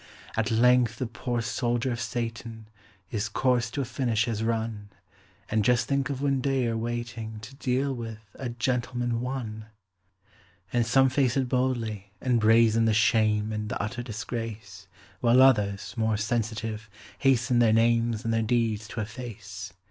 At length the poor soldier of Satan His course to a finish has run And just think of Windeyer waiting To deal with "A Gentleman, One"! And some face it boldly, and brazen The shame and the utter disgrace; While others, more sensitive, hasten Their names and their deeds to efface.